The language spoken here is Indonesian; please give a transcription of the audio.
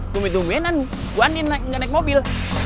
tumit tumitan buandien gak naik mobil